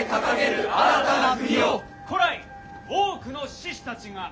古来多くの志士たちが。